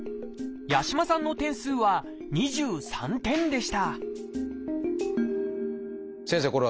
八嶋さんの点数は２３点でした先生